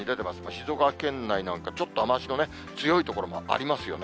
静岡県内なんか、ちょっと雨足の強い所もありますよね。